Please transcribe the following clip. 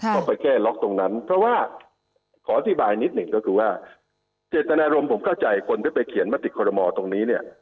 ต้องไปแก้ล็อกตรงนั้นเพราะว่าขออธิบายนิดหนึ่งก็คือว่าเจตนารมณ์ผมเข้าใจคนที่ไปเขียนมติคอรมอตรงนี้เนี่ย